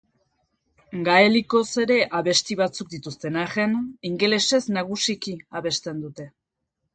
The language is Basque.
Gaelikoz ere abesti batzuk dituzten arren, ingelesez nagusiki abesten dute.